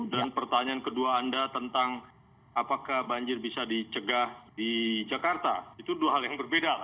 dan pertanyaan kedua anda tentang apakah banjir bisa dicegah di jakarta itu dua hal yang berbeda lah